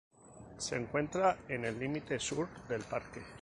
Se encuentra en el límite sur del parque.